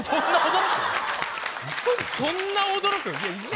そんな驚く。